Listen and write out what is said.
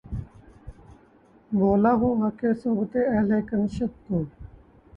بھولا ہوں حقِ صحبتِ اہلِ کنشت کو